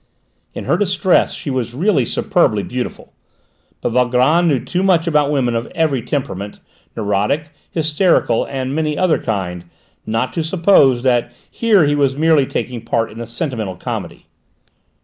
In her distress she was really superbly beautiful; but Valgrand knew too much about women of every temperament, neurotic, hysterical, and many another kind, not to suppose that here he was merely taking part in a sentimental comedy.